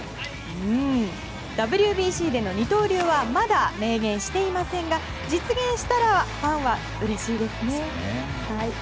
ＷＢＣでの二刀流はまだ明言していませんが実現したらファンはうれしいですね。